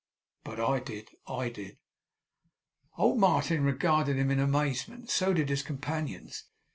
But I did I did!' Old Martin regarded him in amazement; so did his companions.